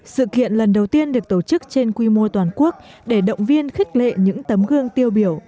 sự kiện lần đầu tiên được tổ chức trên quy mô toàn quốc để động viên khích lệ những tấm gương tiêu biểu